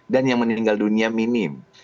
dan yang meninggal dunia minim